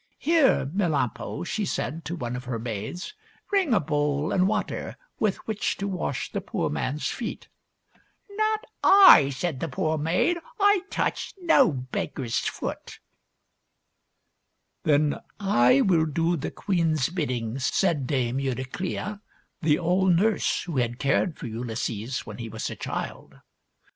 " Here, Melampo," she said to one of her maids, " bring a bowl and water with which to wash the poor man's feet." 172 THIRTY MORE FAMOUS STORIES " Not I," said the proud maid ;" I touch no beggar's 'foot." " Then I will do the queen's bidding," said Dame Eurycleia, the old nurse who had cared for Ulysses when he was a child.